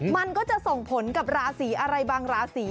มันก็จะส่งผลกับราศีอะไรบางราศี